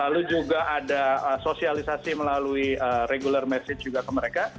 lalu juga ada sosialisasi melalui regular message juga ke mereka